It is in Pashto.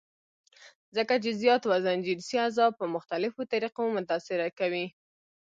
ځکه چې زيات وزن جنسي اعضاء پۀ مختلفوطريقو متاثره کوي -